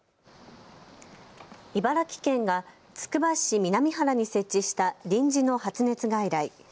茨城県がつくば市南原に設置した臨時の発熱外来。